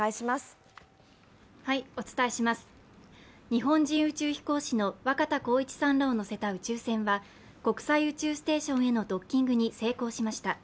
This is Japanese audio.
日本人宇宙飛行士の若田光一さんらを乗せた宇宙船は国際宇宙ステーションへのドッキングに成功しました。